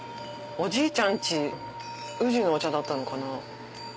おじいちゃんち宇治のお茶だったのかな？